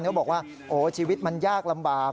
เขาบอกว่าโอ้ชีวิตมันยากลำบาก